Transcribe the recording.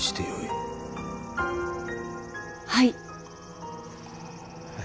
はい。